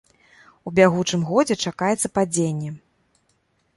У бягучым годзе чакаецца падзенне.